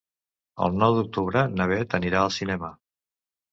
El nou d'octubre na Beth anirà al cinema.